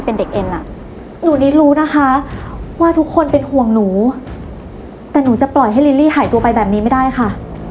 ตอนนี้รู้นะคะว่าทุกคนเป็นห่วงหนูแต่หนูจะปล่อยให้ลิลลี่หายตัวไปแบบนี้ไม่ได้ค่ะ